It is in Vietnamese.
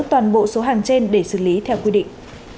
toàn bộ số hàng trên để xử lý theo quy định